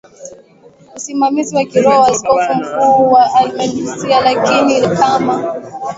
usimamizi wa kiroho wa Askofu mkuu wa Aleksandria Lakini kama